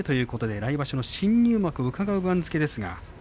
来場所の新入幕をうかがう番付です。